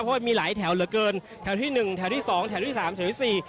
เพราะว่ามีหลายแถวเหลือเกินแถวที่๑แถวที่๒แถวที่๓แถวที่๔